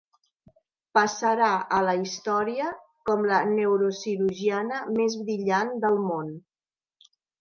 Passarà a la història com la neurocirurgiana més brillant del món.